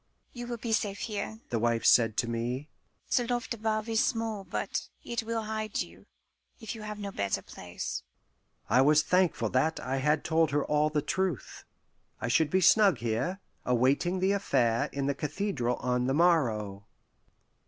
"You will be safe here," the wife said to me. "The loft above is small, but it will hide you, if you have no better place." I was thankful that I had told her all the truth. I should be snug here, awaiting the affair in the cathedral on the morrow.